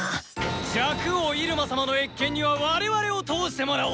若王イルマ様の謁見には我々を通してもらおう！